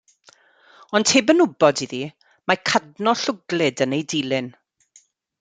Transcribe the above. Ond heb yn wybod iddi, mae cadno llwglyd yn ei dilyn.